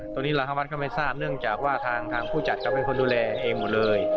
ตอนนี้รหาวัดก็ไม่ทราบเนื่องจากว่าทางผู้จัดก็ไม่คนดูแลเองหมดเลย